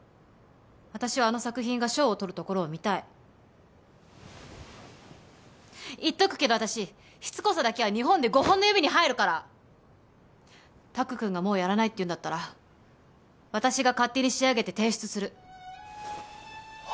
私はあの作品が賞をとるところを見たい言っとくけど私しつこさだけは日本で５本の指に入るから拓くんがもうやらないって言うんだったら私が勝手に仕上げて提出するは？